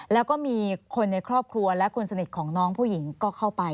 แล้วก็มีคนในครอบครัวและคนสนิทของน้องผู้หญิงก็เข้าไป